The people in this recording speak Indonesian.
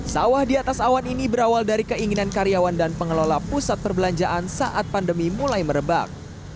sawah di atas awan ini berawal dari keinginan karyawan dan pengelola pusat perbelanjaan saat pandemi mulai merebak